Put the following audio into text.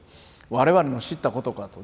我々の知ったことかと。